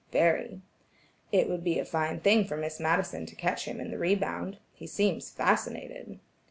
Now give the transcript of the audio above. "Very." "It would be a fine thing for Miss Madison to catch him in the rebound. He seems fascinated."